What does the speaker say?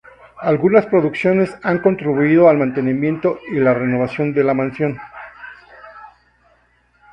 Algunas producciones han contribuido al mantenimiento y la renovación de la mansión.